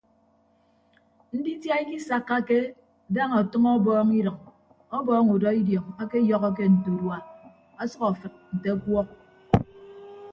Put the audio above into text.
Nditia ikisakkake daña ọtʌñ ọbọọñ idʌñ ọbọọñ udọ idiọñ akeyọhọke nte urua asʌk afịd nte ọkuọk.